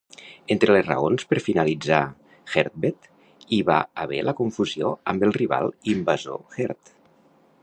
Entre les raons per finalitzar HertBeat hi va haver la confusió amb el rival invasor Heart.